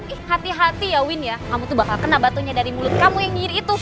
ih hati hati ya win ya kamu tuh bakal kena batunya dari mulut kamu yang nyiri itu